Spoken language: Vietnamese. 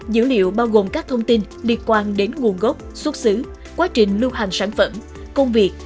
dữ liệu bao gồm các thông tin liên quan đến nguồn gốc xuất xứ quá trình lưu hành sản phẩm công việc